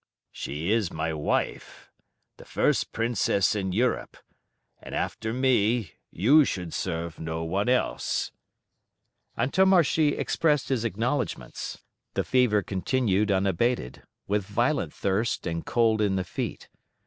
"She is my wife, the first Princess in Europe, and after me you should serve no one else." Antommarchi expressed his acknowledgments. The fever continued unabated, with violent thirst and cold in the feet.